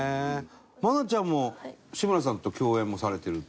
愛菜ちゃんも志村さんと共演もされてると。